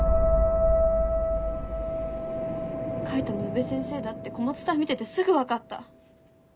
書いたのは宇部先生だって小松さん見ててすぐ分かった。